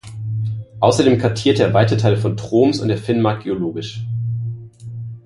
Außerdem kartierte er weite Teile von Troms und der Finnmark geologisch.